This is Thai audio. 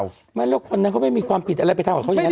ไม่แล้วคนนั้นเขาไม่มีความผิดอะไรไปทำกับเขาอย่างนั้น